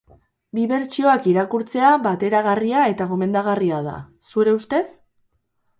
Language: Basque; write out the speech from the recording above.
Bi bertsioak irakurtzea bateragarria eta gomendagarria da, zure ustez?